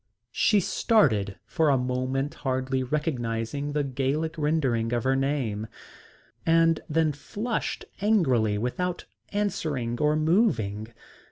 She started, for a moment hardly recognising the Gallic rendering of her name, and then flushed angrily without answering or moving.